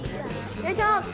よいしょ！